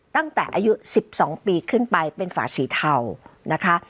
ตั้งแต่อายุ๑๒ปีขึ้นไปเป็นฝาสีเทานะคะ